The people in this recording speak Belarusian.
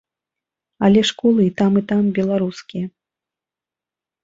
Але школы і там і там беларускія.